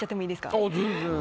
あぁ全然。